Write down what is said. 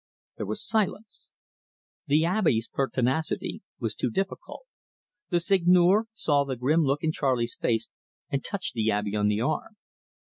There was silence. The Abbe's pertinacity was too difficult. The Seigneur saw the grim look in Charley's face, and touched the Abbe on the arm.